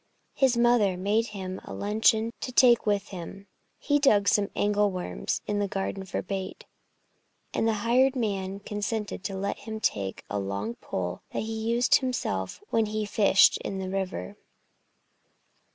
His mother made him a luncheon to take with him, he dug some angleworms in the garden for bait, and the hired man consented to let him take a long pole that he used himself when he fished in the river.